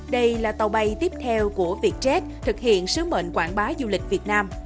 đây là tàu bay tiếp theo của vietjet thực hiện sứ mệnh quảng bá du lịch việt nam